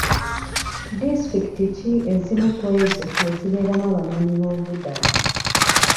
Disitulikiti ki ezimu ku ezo ezibeeramu Abanoonyiboobubudamu?